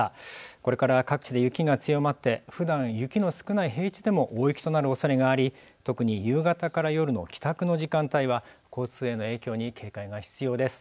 これから各地で雪が強まってふだん雪の少ない平地でも大雪となるおそれがあり特に夕方から夜の帰宅の時間帯は交通への影響に警戒が必要です。